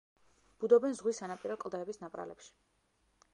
ბუდობენ ზღვის სანაპირო კლდეების ნაპრალებში.